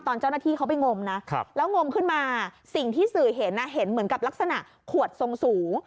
ตอนเจ้าหน้าที่เขาไปงมนะแล้วงมขึ้นมาสิ่งที่สื่อเห็นเห็นเหมือนกับลักษณะขวดทรงสูง